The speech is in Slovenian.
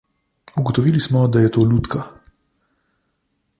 Ugotovili smo, da je to lutka.